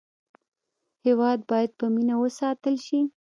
هېواد باید په مینه وساتل شي.